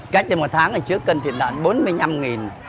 cách từ một tháng trước cân thịt lợn bốn mươi năm